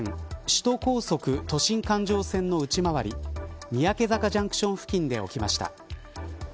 首都高速都心環状線の内回り三宅坂ジャンクション付近で起きました。